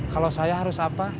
kalau saya harus apa